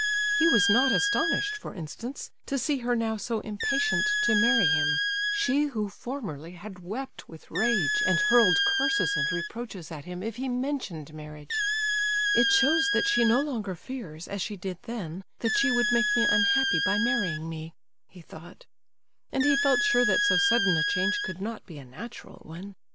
He was not astonished, for instance, to see her now so impatient to marry him—she who formerly had wept with rage and hurled curses and reproaches at him if he mentioned marriage! "It shows that she no longer fears, as she did then, that she would make me unhappy by marrying me," he thought. And he felt sure that so sudden a change could not be a natural one.